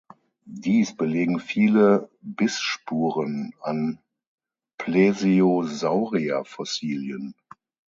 Dies belegen viele Bissspuren an Plesiosaurierfossilien.